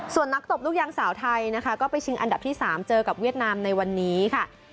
ส่วนนักตบลูกยางสาวไทยนะคะก็ไปชิงอันดับที่๓เจอกับเวียดนามในวันนี้ค่ะ